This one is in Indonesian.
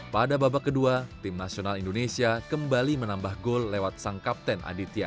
pada babak kedua tim nasional indonesia kembali menambah gol lewat sang kapten aditya